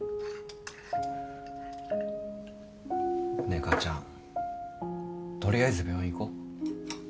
ねえ母ちゃん取りあえず病院行こう。